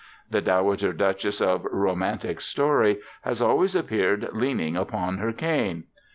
The dowager duchess of romantic story has always appeared leaning upon her cane.